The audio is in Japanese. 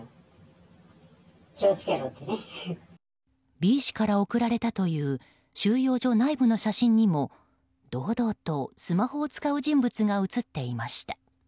Ｂ氏から送られたという収容所内部の写真にも堂々とスマホを使う人物が写っていました。